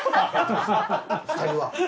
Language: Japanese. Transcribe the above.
２人は。